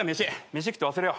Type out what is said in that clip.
飯食って忘れよう。